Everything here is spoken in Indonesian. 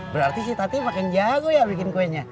berarti si tati makin jago ya bikin kuenya